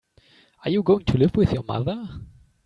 Are you going to live with your mother?